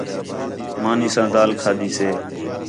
مانی ساں دال کھادی سے